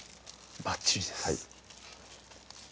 バッチリです